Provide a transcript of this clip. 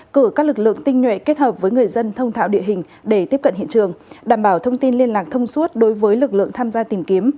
cử các lực lượng tinh nhuệ kết hợp với người dân thông thạo địa hình để tiếp cận hiện trường đảm bảo thông tin liên lạc thông suốt đối với lực lượng tham gia tìm kiếm